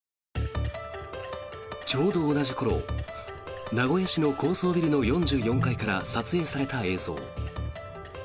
ちょうど同じ頃名古屋市の高層ビルの４４階から撮影された映像。